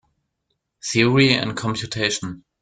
Theory and Computation.